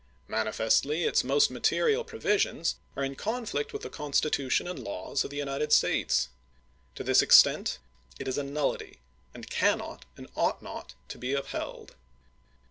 Manifestly its most material provisions are in conflict with the Constitution and laws of the United States. To this extent it is a nullity, and cannot, and ought not to, be upheld.